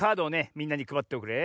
みんなにくばっておくれ。